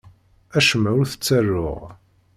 Acemma ur t-ttaruɣ.